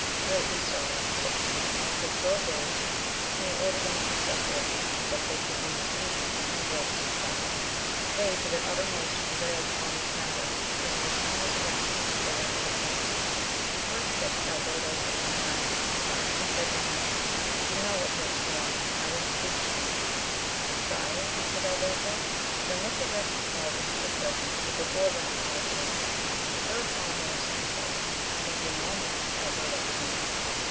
Let it be so, said the king ; take twelve days : and he ordered them to be separated, that they should neither see nor con verse with each other. They to their uttermost tra vailed upon this matter, and when the time was elapsed they went to the king. He first took Alberto of Champaigne apart, and said to him, you know what you have sworn, — now then speak to me. Sire, an swered Alberto, then let the rest be called into your presence for before them will I tell you. Whereupon they were sent for, and being all met, Alberto began.